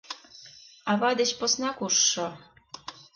Ава деч посна кушшо...